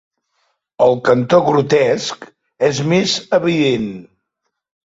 El cantó grotesc és més evident.